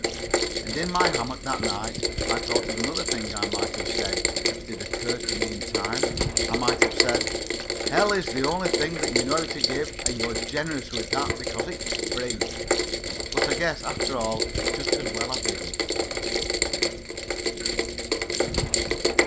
And in my hammock that night I thought of another thing I might have said if it had occurred to me in time. I might have said, "Hell is the only thing you know how to give and you're generous with that because it's free." But I guess after all it's just as well I didn't.